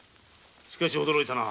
しかし驚いたな。